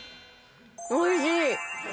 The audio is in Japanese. おいしい！